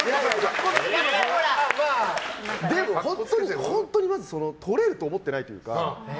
でも本当に、まずとれると思ってないというか。